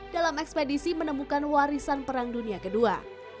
dalam ekspedisi menemukan warisan perang dunia ii